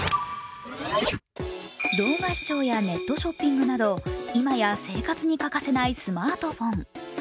動画視聴やネットショッピングなど今や生活に欠かせないスマートフォン。